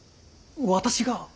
私が？